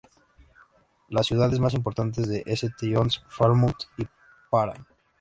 Las ciudades más importantes son St John's, Falmouth y Parham.